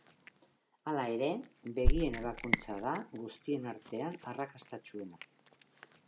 Hala ere, begien ebakuntza da guztien artean arrakastatsuena.